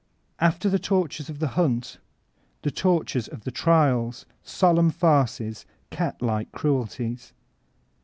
After the tortures of the hunt, the tortures of the trials, solemn farces, cat like cruelties.